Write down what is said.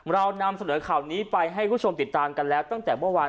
เรานำเสนอข่าวนี้ไปให้คุณผู้ชมติดตามกันแล้วตั้งแต่เมื่อวาน